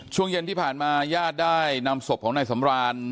ช่วงเย็นที่ผ่านมาญาติได้นำศพของนายสำราน